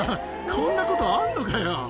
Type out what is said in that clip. こんなことあんのかよ。